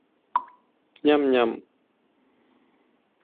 Ñam ñam...